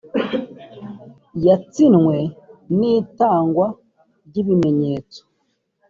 yatsinwe n’ itangwa ry ibimenyetso